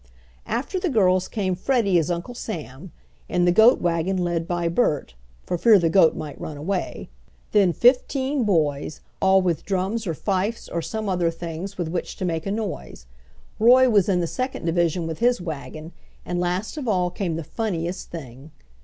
After the girls came Freddie as Uncle Sam, in the goat wagon led by Bert (for fear the goat might run away), then fifteen boys, all with drums or fifes or some other things with which to make a noise. Roy was in the second division with his wagon, and last of all came the funniest thing.